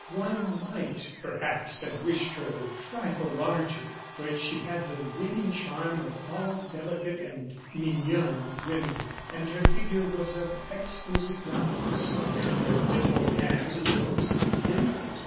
One might, perhaps, have wished her a trifle larger. But she had the winning charm of all delicate and mignonnes women; and her figure was of exquisite roundness, and her dimpled hands were those of an infant.